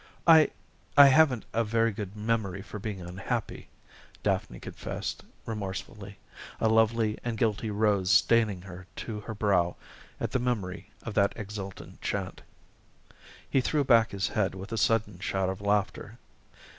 "I I haven't a very good memory for being unhappy," Daphne confessed remorsefully, a lovely and guilty rose staining her to her brow at the memory of that exultant chant. He threw back his head with a sudden shout of laughter.